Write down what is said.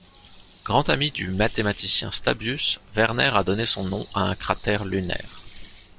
Grand ami du mathématicien Stabius, Werner a donné son nom à un cratère lunaire.